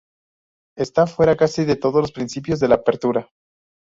Está fuera de casi todos los principios de la apertura.